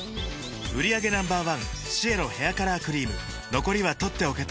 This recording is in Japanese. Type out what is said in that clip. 売上№１シエロヘアカラークリーム残りは取っておけて